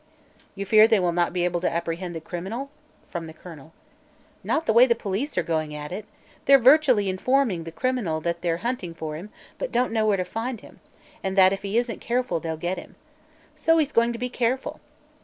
"You fear they will not be able to apprehend the criminal?" from the colonel. "Not the way the police are going at it. They're virtually informing the criminal that they're hunting for him but don't know where to find him, and that if he isn't careful they'll get him. So he's going to be careful.